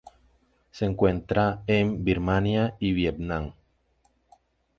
Se encuentra en Birmania y Vietnam.